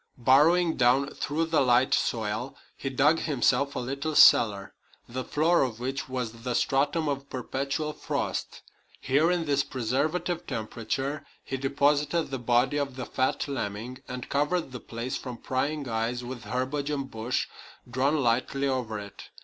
Burrowing down through the light soil, he dug himself a little cellar, the floor of which was the stratum of perpetual frost. Here, in this preservative temperature, he deposited the body of the fat lemming, and covered the place from prying eyes with herbage and bush drawn lightly over it.